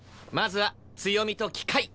まずは強みと機会。